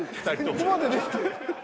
ここまで出てる？